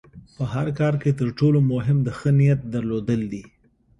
په هر کار کې د تر ټولو مهم د ښۀ نیت درلودل دي.